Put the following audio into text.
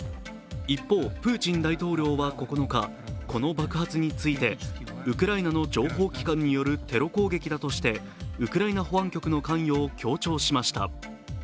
一方、プーチン大統領は９日この爆発についてウクライナの情報機関によるテロ攻撃だとしてウクライナ保安局の関与を強調しました。